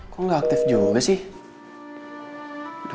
kok nggak aktif juga sih